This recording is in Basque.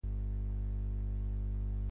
Trago bat hartuko nuke.